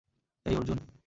এই, অর্জুন!